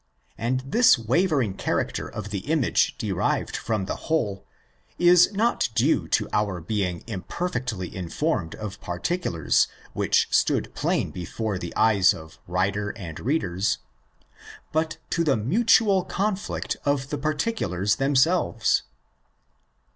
And this wavering character of the image derived from the whole is not due to our being imperfectly informed of particulars which stood plain before the eyes of writer and readers, but to the mutual conflict of the particulars themselves.